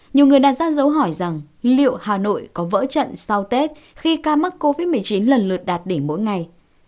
nhiều người đặt ra dấu hỏi rằng liệu hà nội có vỡ trận sau tết khi ca mắc covid một mươi chín lần lượt đạt đỉnh mỗi ngày